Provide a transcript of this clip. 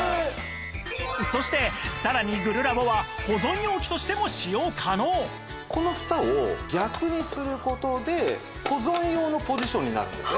そしてさらにグルラボはこの蓋を逆にする事で保存用のポジションになるんですね。